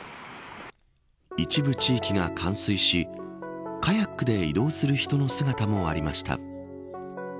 一部地域が冠水しカヤックで移動する人の姿もありました。